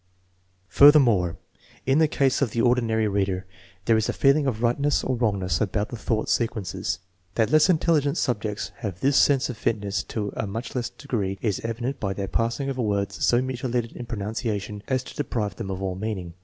Furthermore, in the case of the ordinary reader there is a feeling of tightness or wrongness about the thought se quences. That less intelligent subjects have this sense of fitness to a much less degree is evidenced by their passing over words so mutilated in pronunciation as to deprive . them of all meaning.